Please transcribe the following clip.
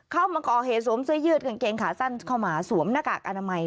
เข้ามาก่อเหตุสวมเสื้อยืดกางเกงขาสั้นเข้ามาสวมหน้ากากอนามัย